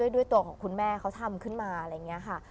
ด้วยตัวของคุณแม่เขาทำขึ้นมาอะไรอย่างนี้ค่ะ